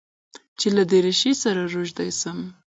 چې له دريشۍ سره روږدى سم.